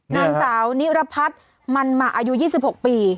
นางสาวนิรพัฒน์มันมาอายุ๒๖ปี